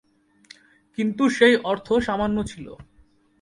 কিন্তু সেই অর্থ সামান্য ছিল।